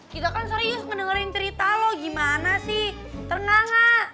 kita kan serius ngedengerin cerita lo gimana sih ternyata